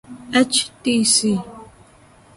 H T C